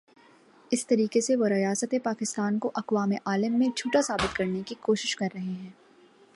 اس طریقے سے وہ ریاست پاکستان کو اقوام عالم میں جھوٹا ثابت کرنے کی کوشش کررہے ہیں۔